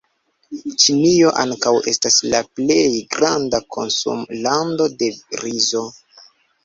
Ĉinio ankaŭ estas la plej granda konsumlando de rizo.